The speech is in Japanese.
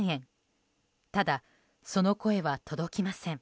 ただ、その声は届きません。